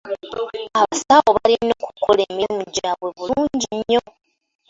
Abasawo balina okukola emirimu gyabwe bulungi nnyo.